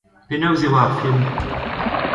Penaos e oa ar film ?